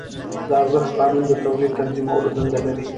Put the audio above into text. د ارزښت قانون د تولید تنظیمولو دنده لري